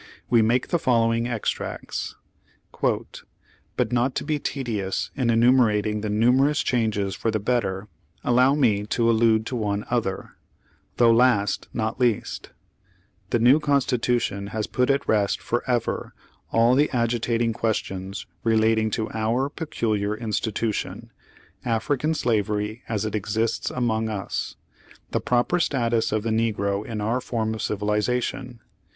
We make the following extracts : "But, not to be tedious in enumerating the numerous changes for the better, allow me to allude to one other — though last, not least: the new Constitution has put at rest forever all the agitating questions relating to our peculiar institution — African Slavery as it exists among us — the proper status of the negro in our form of civilization.